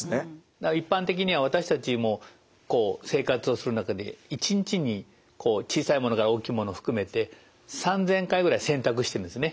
だから一般的には私たちもこう生活をする中で一日に小さいものから大きいもの含めて３，０００回ぐらい選択してるんですね。